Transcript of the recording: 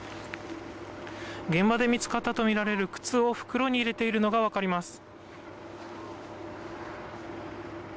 現場で見つかったとみられる靴を袋に入れているのが分かります。